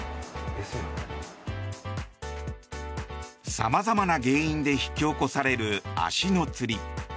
様々な原因で引き起こされる足のつり。